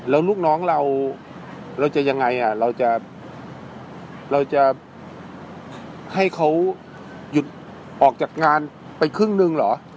แล้วลูกน้องเราเราจะยังไงเราจะเราจะให้เขาหยุดออกจากงานไปครึ่งหนึ่งเหรอ